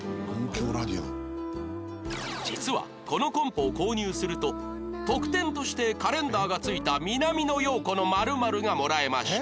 実はこのコンポを購入すると特典としてカレンダーが付いた南野陽子の○○がもらえました